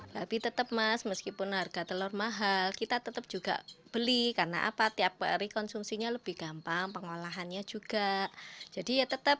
jadi ya tetap kita beli cuma ya gitu